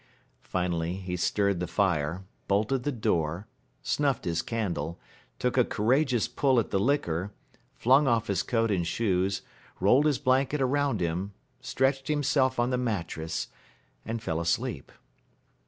Finally, he stirred the fire, bolted the door, snuffed his candle, took a courageous pull at the liquor, flung off his coat and shoes, rolled his blanket around him, stretched himself on the mattress, and fell asleep.